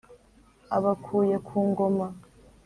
abakuye ku ngoma.